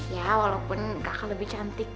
ya walaupun kakak lebih cantik